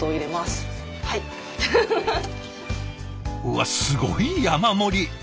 うわっすごい山盛り。